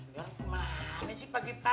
gak ada apa apa sih pak gita